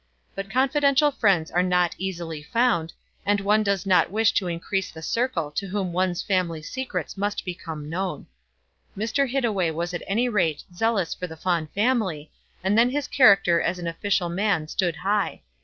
But confidential friends are not easily found, and one does not wish to increase the circle to whom one's family secrets must become known. Mr. Hittaway was at any rate zealous for the Fawn family, and then his character as an official man stood high.